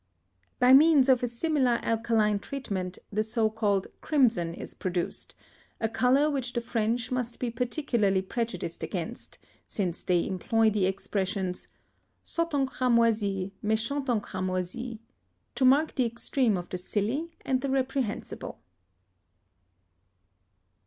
By means of a similar alkaline treatment, the so called crimson is produced; a colour which the French must be particularly prejudiced against, since they employ the expressions "Sot en cramoisi, méchant en cramoisi," to mark the extreme of the silly and the reprehensible.